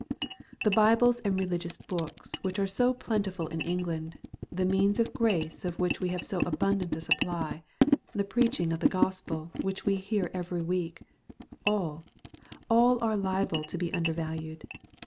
The Bibles and religious books, which are so plentiful in England, the means of grace of which we have so abundant a supply, the preaching of the Gospel which we hear every week, — ^all, all are liable to be undervalued.